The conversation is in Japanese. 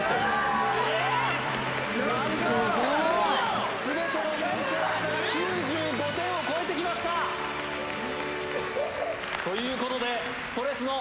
何と全ての先生方が９５点を超えてきましたということで「それスノ」